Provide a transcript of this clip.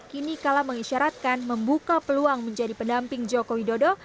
kini kala mengisyaratkan membuka peluang menjadi pendamping joko widodo